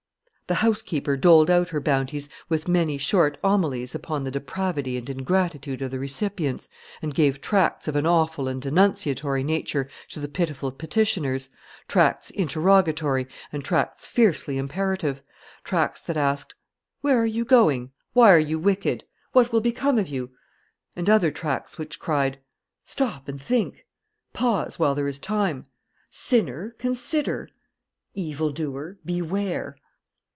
The housekeeper doled out her bounties with many short homilies upon the depravity and ingratitude of the recipients, and gave tracts of an awful and denunciatory nature to the pitiful petitioners tracts interrogatory, and tracts fiercely imperative; tracts that asked, "Where are you going?" "Why are you wicked?" "What will become of you?" and other tracts which cried, "Stop, and think!" "Pause, while there is time!" "Sinner, consider!" "Evil doer, beware!"